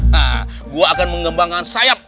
nah gue akan mengembangkan sayap